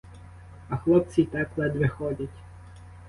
А хлопці й так ледве ходять.